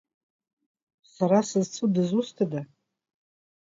Сара сызцу дызусҭада?